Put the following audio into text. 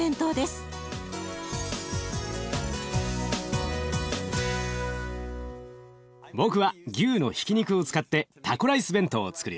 僕は牛のひき肉を使ってタコライス弁当をつくるよ。